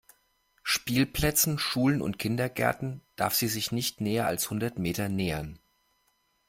Spielplätzen, Schulen und Kindergärten darf sie sich nicht näher als hundert Meter nähern.